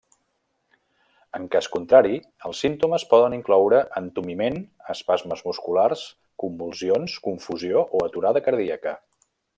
En cas contrari els símptomes poden incloure entumiment, espasmes musculars, convulsions, confusió o aturada cardíaca.